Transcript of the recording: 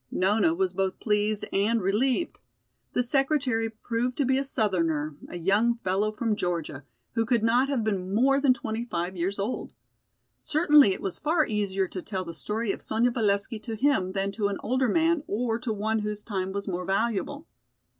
Nona was both pleased and relieved. The secretary proved to be a southerner, a young fellow from Georgia, who could not have been more than twenty five years old. Certainly it was far easier to tell the story of Sonya Valesky to him than to an older man or to one whose time was more valuable.